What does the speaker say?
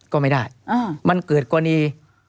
ก็ไม่ได้มันเกิดกรณี